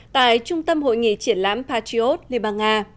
tại trung tâm hội nghị triển lãm patriot liên bang nga